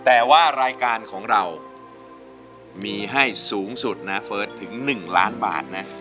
แต่ว่ารายการของเรามีให้สูงสุดนะเฟิร์สถึง๑ล้านบาทนะ